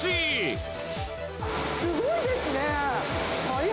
すごいですね。